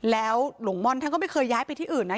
แล้วหลวงม่อนท่านก็ไม่เคยย้ายไปที่อื่นนะ